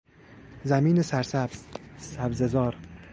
زمین سر سبز، سبزه زار